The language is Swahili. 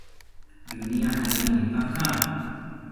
Dunia haina mipaka?